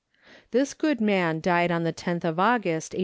This good man died on the 10th of August 1846.